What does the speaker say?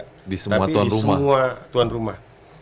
tapi di semua tuan rumah